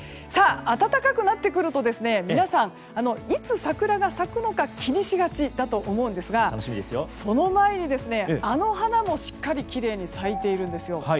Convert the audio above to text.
暖かくなってくると皆さん、いつ桜が咲くのか気にしがちだと思うんですがその前にあの花もしっかりきれいに咲いているんですよ。